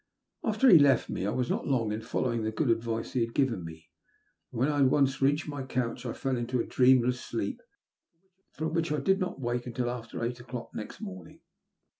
After he left me, I was not long in following the good advice he had given me ; and when I had once reached my couch, fell into a dreamless sleep, from which I did not wake until after eight o'clock next morning.